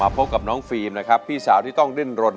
พบกับน้องฟิล์มนะครับพี่สาวที่ต้องดิ้นรน